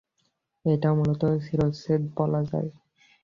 এটা মূলত শিরচ্ছেদ বলা যায়।